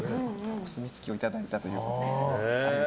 お墨付きをいただいたということで。